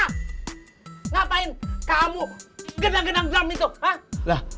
ngapain kamu genang genang jam itu